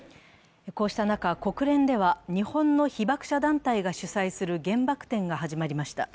こうした中、国連では日本の被爆者団体が主催する原爆展が始まりました。